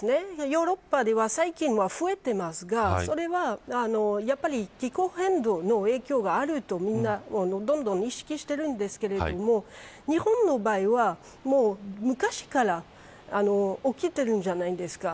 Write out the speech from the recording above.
ヨーロッパでは最近は増えていますがそれは、やっぱり気候変動の影響があるとみんなどんどん認識しているんですが日本の場合は、昔から起きているじゃないですか。